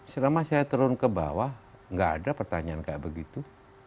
selama saya turun ke bawah nggak ada pertanyaan kayak begitu